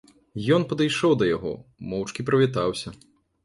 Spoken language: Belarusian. Ён падышоў да яго, моўчкі прывітаўся.